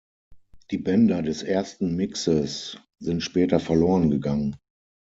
Die Bänder des ersten Mixes sind später verloren gegangen.